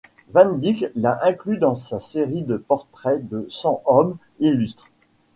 Van Dyck l'a inclus dans sa série de portraits de cent hommes illustres.